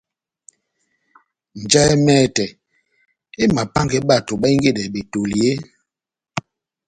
Njahɛ mɛtɛ emapángɛ bato bahingedɛ betoli eeeh ?